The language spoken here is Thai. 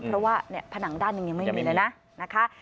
เพราะว่าผนังด้านหนึ่งยังไม่มีเลยนะนะคะ